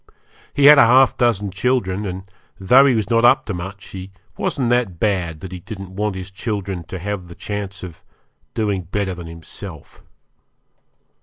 He had half a dozen children, and, though he was not up to much, he wasn't that bad that he didn't want his children to have the chance of being better than himself.